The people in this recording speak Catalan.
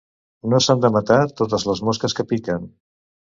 No s'han de matar totes les mosques que piquen.